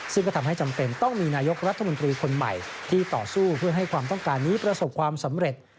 ซึ่งก็ทำให้จำเป็นต้องมีนายกรัฐมนตรีคนใหม่ที่ต่อสู้เพื่อให้ความต้องการนี้ประสบความสำเร็จ